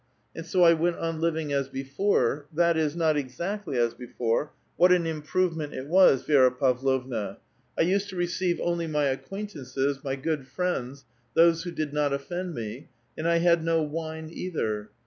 And so I went on living as before, that is, not exactly as before ; what an improvement it was, Vi^ra Pavlovna ! I used to receive only my acqnaintances, my good friends, those who did not offend me. And I had no wine either.